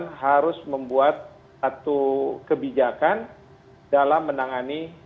ketika asean harus membuat satu kebijakan dalam menangani asean